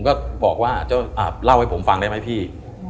ก็บอกว่าเจ้าเล่าให้ผมฟังได้ไหมพี่